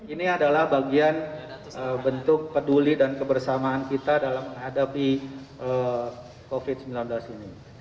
ini adalah bagian bentuk peduli dan kebersamaan kita dalam menghadapi covid sembilan belas ini